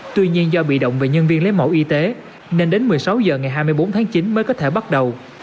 tuy nhiên do bị động về nhân viên lấy mẫu y tế nên đến một mươi sáu h ngày hai mươi bốn tháng chín mới có thể bắt đầu